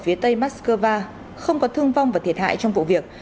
ở phía tây moskova không có thương vong và thiệt hại trong vụ việc